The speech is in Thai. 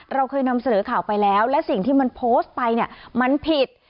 เราเคยนำเสนอข่าวไปแล้วและสิ่งที่มันโพสต์ไปเนี่ยมันผิด